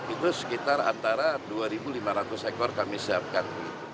itu sekitar antara dua lima ratus ekor kami siapkan